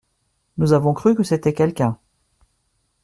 Nous avons cru que c’était quelqu’un.